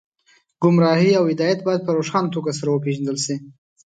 ګمراهي او هدایت باید په روښانه توګه سره وپېژندل شي